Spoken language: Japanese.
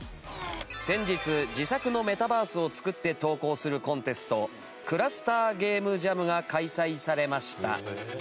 先日自作のメタバースを作って投稿するコンテストＣｌｕｓｔｅｒＧＡＭＥＪＡＭが開催されました。